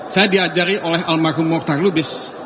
saya diajari oleh almarhum murtaglubis